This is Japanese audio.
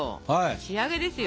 仕上げですよ。